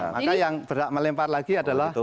maka yang berat melempar lagi adalah prabu